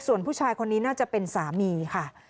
ส่วนผู้ชายคนนี้น่าจะเป็นสามีค่ะ